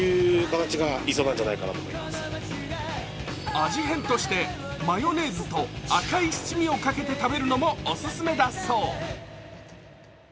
味変としてマヨネーズと赤い七味をかけて食べるのもおすすめだそう。